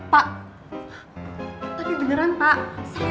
pak tapi beneran pak saya